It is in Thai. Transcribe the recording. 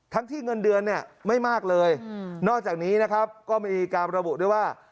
ที่เงินเดือนเนี่ยไม่มากเลยนอกจากนี้นะครับก็มีการระบุด้วยว่า